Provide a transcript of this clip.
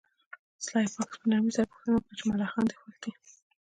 سلای فاکس په نرمۍ سره پوښتنه وکړه چې ملخان دې خوښ دي